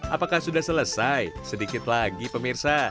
apakah sudah selesai sedikit lagi pemirsa